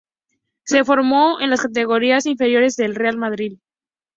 Se formó en las categorías inferiores del Real Madrid.